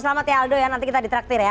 selamat ya aldo ya nanti kita ditraktir ya